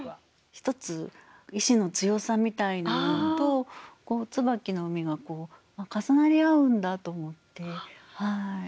１つ意志の強さみたいなものと椿の実が重なり合うんだと思いました。